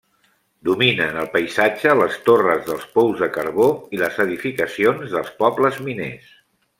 Dominen el paisatge les torres dels pous de carbó i les edificacions dels pobles miners.